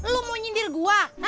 lu mau nyindir gua